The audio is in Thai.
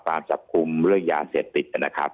ท่านรองโฆษกครับ